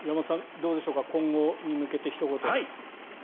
どうでしょうか今後に向けて、ひと言。